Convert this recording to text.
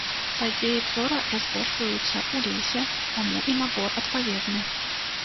Падзеі твора разгортваюцца ў лесе, таму і набор адпаведны.